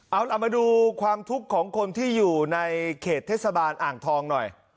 เอาล่ะมาดูความทุกข์ของคนที่อยู่ในเขตเทศบาลอ่างทองหน่อย